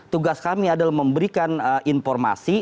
tugas kami adalah memberikan informasi